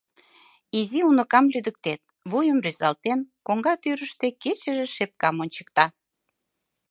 Изи уныкам лӱдыктет, — вуйым рӱзалтен, коҥга тӱрыштӧ кечыше шепкам ончыкта.